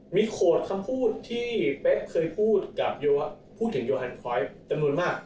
มีโคตรคำพูดที่เป๊บเคยพูดถึงโยฮันครอยฟทตำนวนมาก